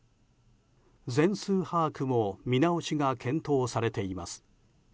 全数把握も見直しが検討されています。